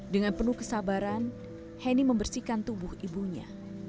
dengan penuh kesabaran henny membersihkan tubuh ibunya